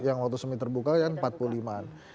yang waktu semi terbuka kan empat puluh lima an